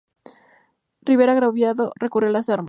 Rivera, agraviado, recurrió a las armas.